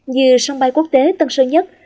như sông bay quốc tế tân sơ nhất